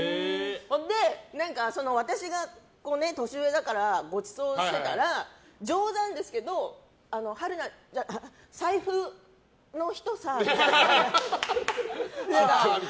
で、私が年上だからごちそうしてたら冗談ですけど春菜財布の人さみたいな。